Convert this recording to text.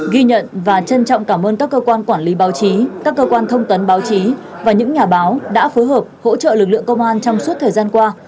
ghi nhận và trân trọng cảm ơn các cơ quan quản lý báo chí các cơ quan thông tấn báo chí và những nhà báo đã phối hợp hỗ trợ lực lượng công an trong suốt thời gian qua